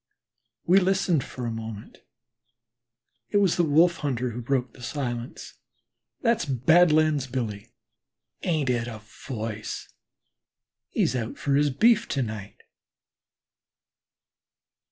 We listened for a moment. It was the Wolf hunter who broke silence: "That's Badlands Billy; ain't it a voice? He's out for his beef to night."